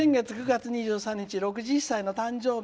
９月２３日、６１歳の誕生日